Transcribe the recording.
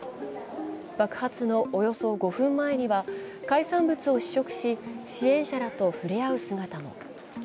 爆発のおよそ５分前には海産物を試食し支援者らと触れ合う姿も。